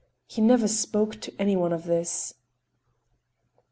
He never spoke to anyone of this.